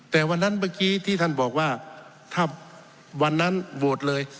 แต่วันนั้นเมื่อกี้ที่ท่านบอกว่าถ้าวันนั้นโหวตเลย